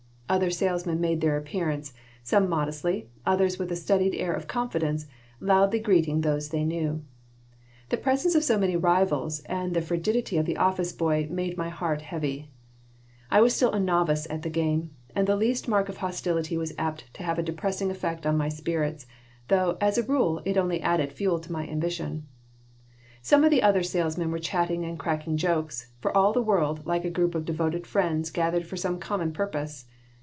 Other salesmen made their appearance, some modestly, others with a studied air of confidence, loudly greeting those they knew. The presence of so many rivals and the frigidity of the office boy made my heart heavy. I was still a novice at the game, and the least mark of hostility was apt to have a depressing effect on my spirits, though, as a rule, it only added fuel to my ambition Some of the other salesmen were chatting and cracking jokes, for all the world like a group of devoted friends gathered for some common purpose.